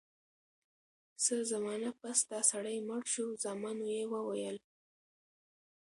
څه زمانه پس دا سړی مړ شو زامنو ئي وويل: